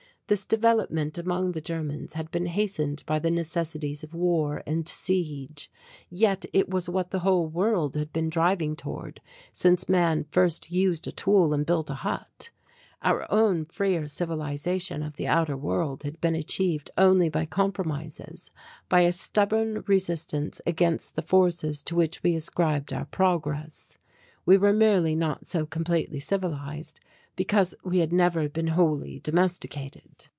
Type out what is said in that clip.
This development among the Germans had been hastened by the necessities of war and siege, yet it was what the whole world had been driving toward since man first used a tool and built a hut. Our own freer civilization of the outer world had been achieved only by compromises, by a stubborn resistance against the forces to which we ascribed our progress. We were merely not so completely civilized, because we had never been wholly domesticated.